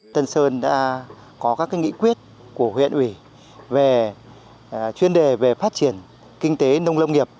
tân sơn đã có các nghị quyết của huyện ủy về chuyên đề về phát triển kinh tế nông lâm nghiệp